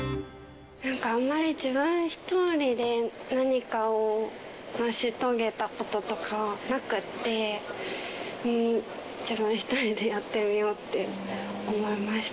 なんかあまり自分一人で何かを成し遂げたこととかなくって、自分一人でやってみようって思いました。